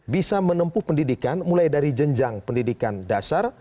bisa menempuh pendidikan mulai dari jenjang pendidikan dasar